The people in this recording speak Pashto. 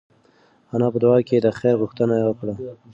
انا په دعا کې د خیر غوښتنه وکړه.